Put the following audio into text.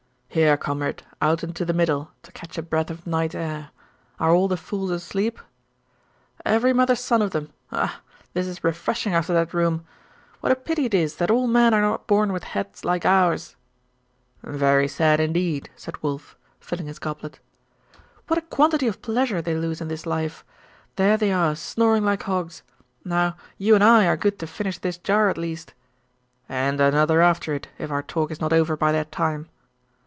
'Here, comrade, out into the middle, to catch a breath of night air. Are all the fools asleep?' 'Every mother's son of them. Ah! this is refreshing after that room. What a pity it is that all men are not born with heads like ours!' 'Very sad indeed,' said Wulf, filling his goblet. 'What a quantity of pleasure they lose in this life! There they are, snoring like hogs. Now, you and I are good to finish this jar, at least.' 'And another after it, if our talk is not over by that time.